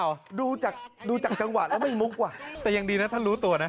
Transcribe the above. ดูจากดูจากจังหวะแล้วไม่มุกว่ะแต่ยังดีนะท่านรู้ตัวนะ